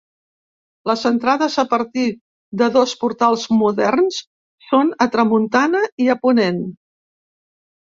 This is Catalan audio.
Les entrades a partir de dos portals moderns, són a tramuntana i a ponent.